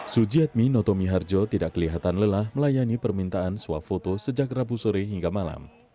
sujiatmi noto miharjo tidak kelihatan lelah melayani permintaan swafoto sejak rabu sore hingga malam